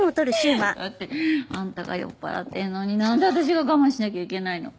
だってあんたが酔っ払ってんのに何で私が我慢しなきゃいけないの。